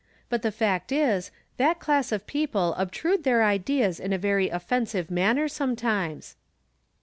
" But tlie fact is, that class of people obtrude their ideas in a very of fensive manner, sometimes."